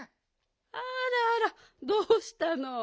あらあらどうしたの？